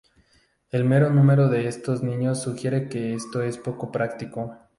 El mero número de estos niños sugiere que esto es poco práctico.